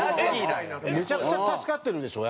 めちゃくちゃ助かってるでしょ